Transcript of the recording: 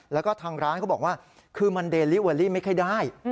แล้วก็ทางร้านเขาบอกว่าคือมันเดลิเวอรี่ไม่ค่อยได้